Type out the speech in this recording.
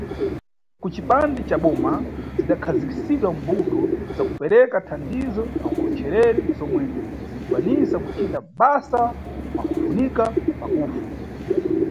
Kucipande ca boma, zidakhazikisidwa mbuto za kupereka thandizo na ukhochereri, zomwe zinʼkwanisa kucita basa mwakufunika pakufu.